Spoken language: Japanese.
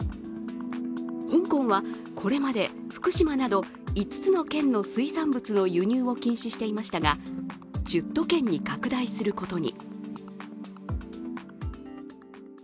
香港は、これまで福島など５つの県の水産物の輸入を禁止していましたが、１０都県に拡大することに。